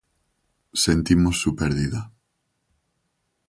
Sentimos su pérdida.